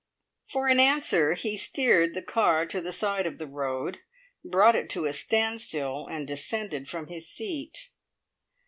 For all answer he steered the car to the side of the road, brought it to a standstill, and descended from his seat.